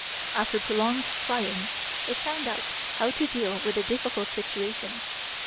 After prolonged trying it found out how to deal with a difficult situation.